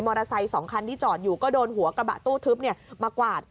ไซค์๒คันที่จอดอยู่ก็โดนหัวกระบะตู้ทึบมากวาด